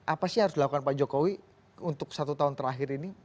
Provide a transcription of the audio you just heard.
apa sih yang harus dilakukan pak jokowi untuk satu tahun terakhir ini